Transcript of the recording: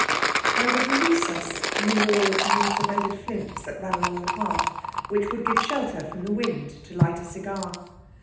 There was a recess in the wall of mortar bedded flints that ran along the path, which would give shelter from the wind to light a cigar.